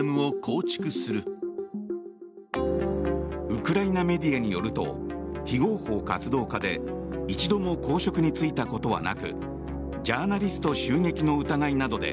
ウクライナメディアによると非合法活動家で一度も公職に就いたことはなくジャーナリスト襲撃の疑いなどで